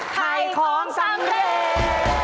ไข้ของสำเร็จ